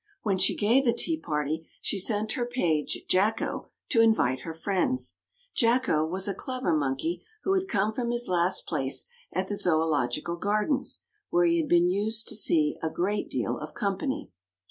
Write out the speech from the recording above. When she gave a tea party, she sent her page Jacko to invite her friends. Jacko was a clever monkey, who had come from his last place at the Zoological Gardens, where he had been used to see a great deal of company.